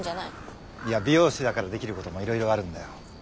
いや美容師だからできることもいろいろあるんだよ。